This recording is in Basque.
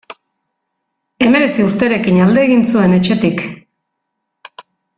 Hemeretzi urterekin alde egin zuen etxetik.